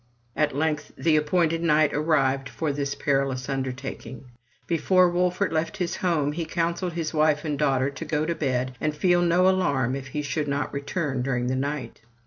At length the appointed night arrived for this perilous under taking. Before Wolfert left his home he counselled his wife and daughter to go to bed, and feel no alarm if he should not return during the night.